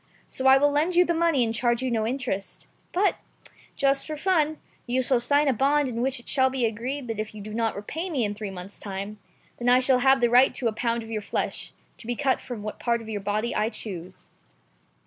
So I will lend you the money and charge you no interest. But, just for fun, you shall sign a bond in which it shall be agreed that if you do not repay me in three months' time, then I shall have the right to a pound of your flesh, to be cut from what part of your body I choose."